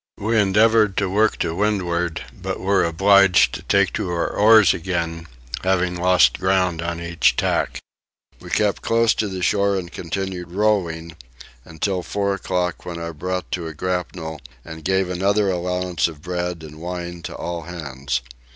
We endeavoured to work to windward but were obliged to take to our oars again, having lost ground on each tack. We kept close to the shore and continued rowing till four o'clock when I brought to a grapnel and gave another allowance of bread and wine to all hands.